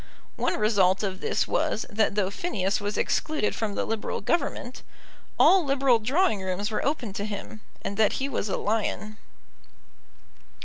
One result of this was, that though Phineas was excluded from the Liberal Government, all Liberal drawing rooms were open to him, and that he was a lion.